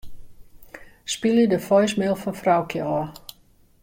Spylje de voicemail fan Froukje ôf.